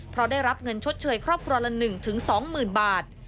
เพราะได้รับเงินชดเชยครอบครัวละหนึ่งถึงสองหมื่นบาท